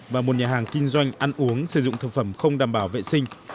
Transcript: và một nhà hàng kinh doanh ăn uống sử dụng thực phẩm không đảm bảo vệ sinh